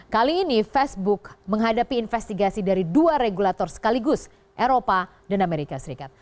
kali ini facebook menghadapi investigasi dari dua regulator sekaligus eropa dan amerika serikat